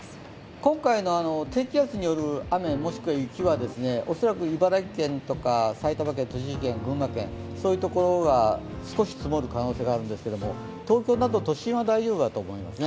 今回の低気圧による雨もしくは雪は恐らく茨城県とか埼玉県、栃木県、群馬県、そういうところが少し積もる可能性があるんですけれども東京など都心は大丈夫だと思います。